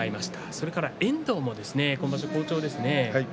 それから遠藤も今場所好調ですね。